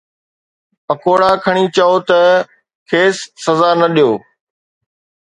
پڪوڙا کڻي چئو ته کيس سزا نه ڏيو